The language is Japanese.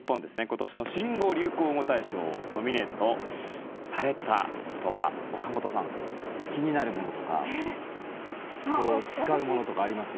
今年の新語・流行語大賞ノミネートされた言葉岡本さん、気になるものとか使うものとかあります？